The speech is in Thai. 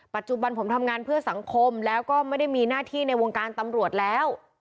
ปัจจุบันผมทำงานเพื่อสังคมแล้วก็ไม่ได้มีหน้าที่ในวงการตำรวจแล้ว